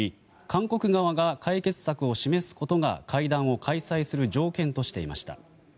韓国側が解決策を示すことが会談を開催する条件としていました。